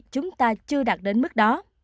chúng ta chưa đạt đến mức đó